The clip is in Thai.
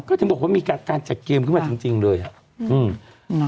ก็ถึงบอกว่ามีการจัดเกมขึ้นมาจริงจริงเลยอ่ะอืม